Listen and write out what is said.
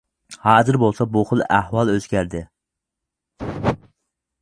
ھازىر بولسا بۇ خىل ئەھۋال ئۆزگەردى.